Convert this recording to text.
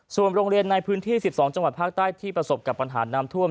ส่วนโรงเรียนในพื้นที่๑๒จดพตที่ประสบกับปัญหานามท่วม